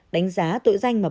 đánh giá tội danh mà bà hăng